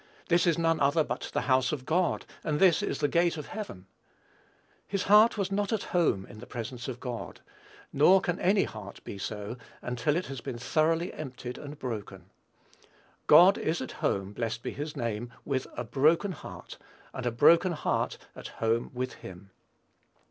This is none other but the house of God, and this is the gate of heaven." His heart was not at home in the presence of God; nor can any heart be so until it has been thoroughly emptied and broken. God is at home, blessed be his name, with a broken heart, and a broken heart at home with him.